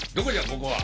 ここは。